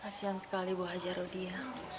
kasian sekali bu haji rodia